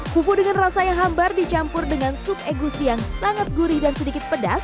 fufu dengan rasa yang hambar dicampur dengan sup egusi yang sangat gurih dan sedikit pedas